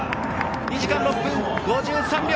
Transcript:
２時間６分５３秒！